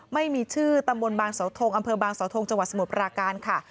ไม่มีชื่อตำรวจบบางสาวทงอบางสาวทงจสมุทรปราการค่ะ